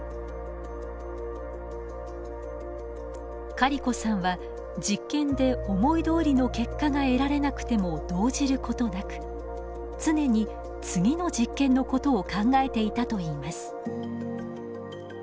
カリコさんは実験で思いどおりの結果が得られなくても動じることなく常に次の実験のことを考えていたといいます。